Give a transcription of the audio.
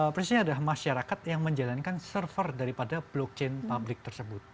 persisnya ada masyarakat yang menjalankan server daripada blockchain publik tersebut